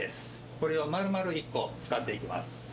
これをまるまる１個使っていきます。